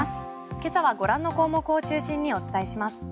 今朝はご覧の項目を中心にお伝えします。